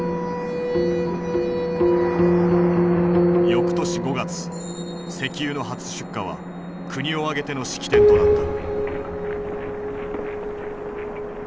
よくとし５月石油の初出荷は国を挙げての式典となった。